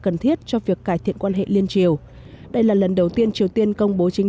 cần thiết cho việc cải thiện quan hệ liên triều đây là lần đầu tiên triều tiên công bố chính